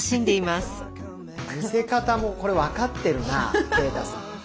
見せ方もこれ分かってるな啓太さん。